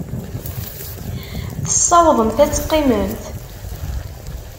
Tessawḍemt ad teqqimemt?